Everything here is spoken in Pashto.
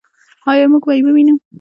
آیا موږ به یې ووینو؟